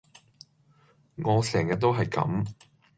我成日都係咁